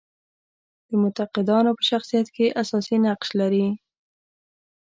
د معتقدانو په شخصیت کې اساسي نقش لري.